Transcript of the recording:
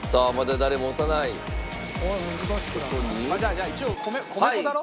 じゃあ一応米粉だろ？